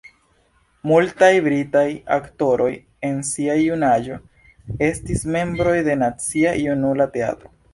Multaj britaj aktoroj en sia junaĝo estis membroj de la Nacia Junula Teatro.